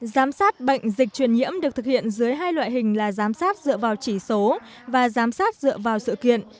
giám sát bệnh dịch truyền nhiễm được thực hiện dưới hai loại hình là giám sát dựa vào chỉ số và giám sát dựa vào sự kiện